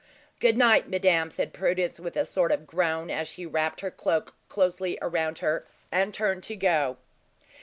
"Good night, madame!" said Prudence, with a sort of groan, as she wrapped her cloak closely around her, and turned to go.